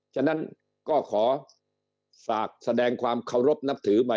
ฉะนั้นก็ขอฝากแสดงความเคารพนับถือใหม่